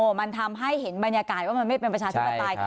มันทำให้เห็นบรรยากาศว่ามันไม่เป็นประชาธิปไตย